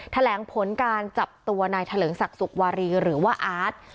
แถลงผลการจับตัวนายเถลิงศักดิ์สุกวารีหรือว่าอาร์ต